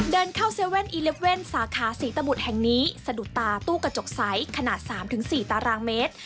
เดินเข้า๗๑๑สาขาศรีตบุตรแห่งนี้สะดุดตาตู้กระจกใสขนาด๓๔ตารางเมตร